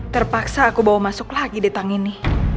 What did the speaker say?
terpaksa aku bawa masuk lagi di tang ini